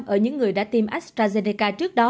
ở những người đã tiêm astrazeneca